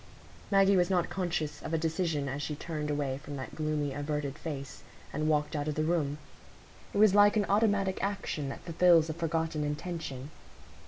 Maggie was not conscious of a decision as she turned away from that gloomy averted face, and walked out of the room; it was like an automatic action that fulfils a forgotten intention.